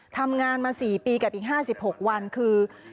ทำงานมา๔ปีกับอีก๕๖วันคือ